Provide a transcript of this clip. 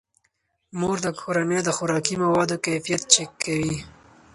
مور د کورنۍ د خوراکي موادو کیفیت چک کوي.